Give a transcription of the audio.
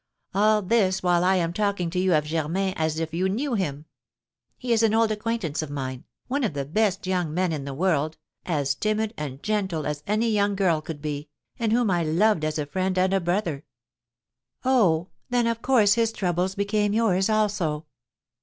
All this while I am talking to you of Germain as if you knew him. He is an old acquaintance of mine, one of the best young men in the world, as timid and gentle as any young girl could be, and whom I loved as a friend and a brother." "Oh, then, of course, his troubles became yours also."